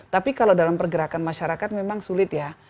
tapi kalau dalam pergerakan masyarakat memang sulit ya